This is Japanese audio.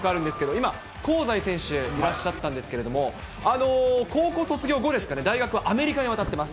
今、香西選手いらっしゃったんですけれども、高校卒業後ですかね、大学はアメリカに渡っています。